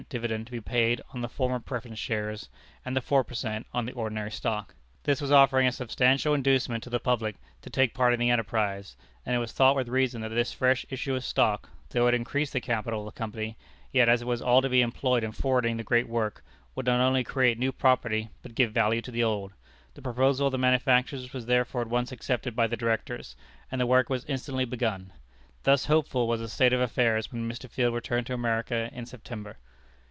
dividend to be paid on the former preference shares, and the four per cent. on the ordinary stock. This was offering a substantial inducement to the public to take part in the enterprise, and it was thought with reason that this fresh issue of stock, though it increased the capital of the Company, yet as it was all to be employed in forwarding the great work, would not only create new property, but give value to the old. The proposal of the manufacturers was therefore at once accepted by the Directors, and the work was instantly begun. Thus hopeful was the state of affairs when Mr. Field returned to America in September.